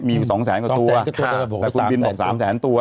มีอยู่สองแสนกว่าตัวสองแสนกว่าตัวแต่คุณบินบอกสามแสนตัว